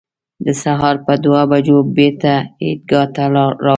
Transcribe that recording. د سهار پر دوه بجو بېرته عیدګاه ته راغلو.